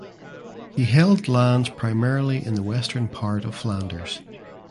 He held lands primarily in the western part of Flanders.